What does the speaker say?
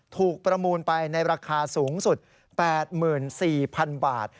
ประมูลไปในราคาสูงสุด๘๔๐๐๐บาท